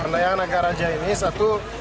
layangan naga raja ini satu